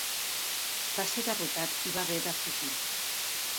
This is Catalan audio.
Va ser derrotat i va haver de fugir.